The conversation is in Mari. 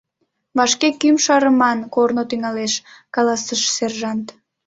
— Вашке кӱм шарыман корно тӱҥалеш, — каласыш сержант.